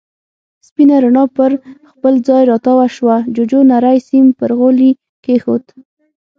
سپينه رڼا پر خپل ځای را تاوه شوه، جُوجُو نری سيم پر غولي کېښود.